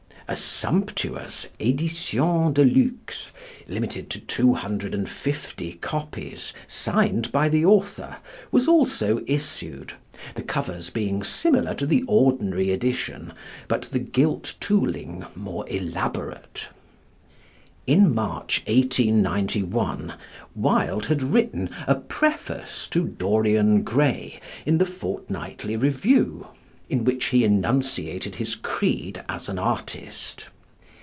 A sumptuous édition de luxe, limited to two hundred and fifty copies, signed by the author, was also issued, the covers being similar to the ordinary edition but the gilt tooling more elaborate. In March, 1891, Wilde had written "A Preface to 'Dorian Gray'" in the Fortnightly Review, in which he enunciated his creed as an artist.